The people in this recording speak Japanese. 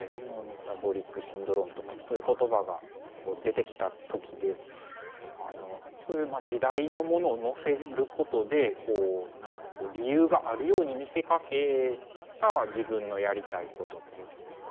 メタボリックシンドロームとかそういう言葉が出てきた時でそういうまあ時代のものをのせることでこうなんか理由があるように見せかけた自分のやりたいことっていう感じでした。